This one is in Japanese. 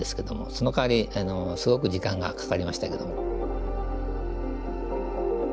そのかわりすごく時間がかかりましたけども。